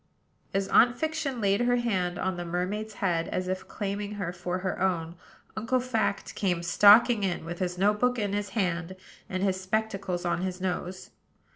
As Aunt Fiction laid her hand on the mermaid's head, as if claiming her for her own, Uncle Fact came stalking in, with his note book in his hand, and his spectacles on his nose.